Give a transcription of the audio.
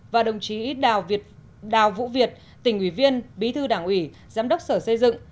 và đồng chí đào vũ việt tỉnh ủy viên bí thư đảng ủy giám đốc sở xây dựng